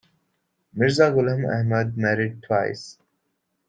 Mirza Ghulam Ahmad married twice.